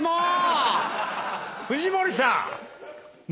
藤森さん。